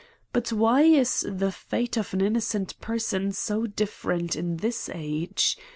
But why is the fate of an innocent person so different in this age